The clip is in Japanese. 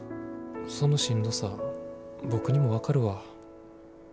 そのしんどさは僕にも分かるわ。